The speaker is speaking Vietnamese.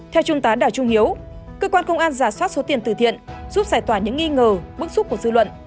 theo trung tá đà trung hiếu cơ quan công an giả soát số tiền từ thiện giúp giải tỏa những nghi ngờ bức xúc của sư luận